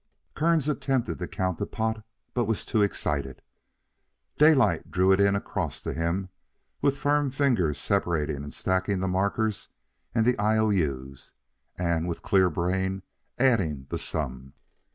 Kearns attempted to count the pot, but was too excited. Daylight drew it across to him, with firm fingers separating and stacking the markers and I.O.U.'s and with clear brain adding the sum.